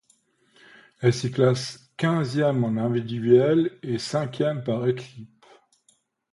Elle s'y classe quinzième en individuel et cinquième par équipes.